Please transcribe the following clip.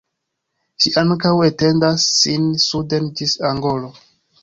Ĝi ankaŭ etendas sin suden ĝis Angolo.